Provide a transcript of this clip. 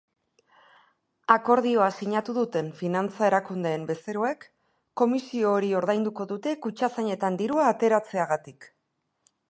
Akordioa sinatu duten finantza erakundeen bezeroek komisio hori ordainduko dute kutxazainetan dirua ateratzeagatik.